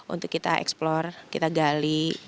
untuk kita eksplor kita gali